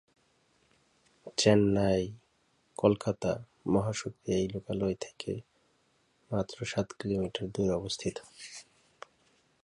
চেন্নাই-কলকাতা মহা শক্তি এই লোকালয় থেকে মাত্র সাত কিলোমিটার দূরে অবস্থিত।